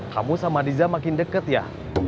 kamu sama diza makin deket ya